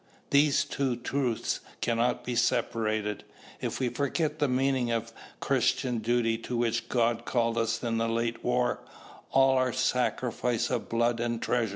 These two truths cannot be separated. If we forget the meaning of the Christian duty to which God called us in the late war, all our sacrifice of blood and treasure will have been in vain.